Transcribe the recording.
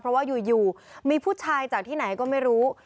เพราะว่าอยู่มีผู้ชายจากที่ไหนก็ไม่รู้